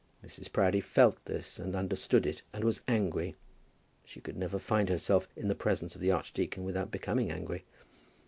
Mrs. Proudie felt this, and understood it, and was angry. She could never find herself in the presence of the archdeacon without becoming angry.